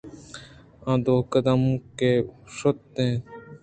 آ دو قدمءَ کہ شُت اَنت